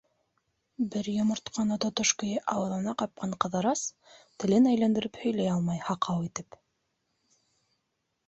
Бер йомортҡаны тотош көйө ауыҙына ҡапҡан Ҡыҙырас, телен әйләндереп һөйләй алмай, һаҡау итеп: